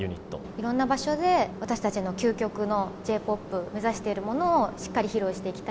いろんな場所で私たちの究極のＪーＰＯＰ、目指しているものをしっかり披露していきたい。